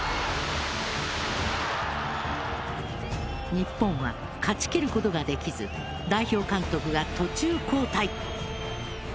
日本は勝ち切ることができず代表監督が途中交代。